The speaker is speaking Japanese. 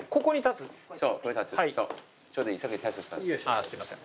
ああすいません。